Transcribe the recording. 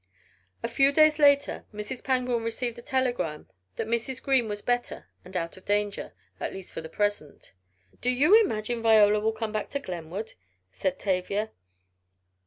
A few days later Mrs. Pangborn received a telegram that Mrs. Green was better and out of danger, at least for the present. "Do you imagine Viola will come back to Glenwood?" said Tavia.